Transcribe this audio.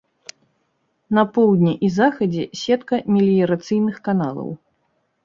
На поўдні і захадзе сетка меліярацыйных каналаў.